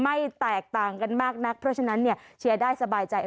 แตกต่างกันมากนักเพราะฉะนั้นเนี่ยเชียร์ได้สบายใจ